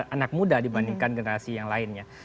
anak muda dibandingkan generasi yang lainnya